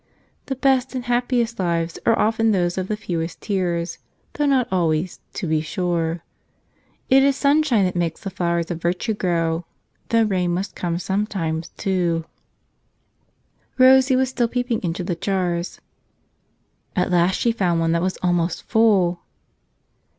"The best and happiest lives are often those of the fewest tears, though not always, to be sure. It is sunshine that makes the flowers of virtue grow, though rain must come sometimes, too." Rosie was still peeping into the jars. At last she found one that was almost full.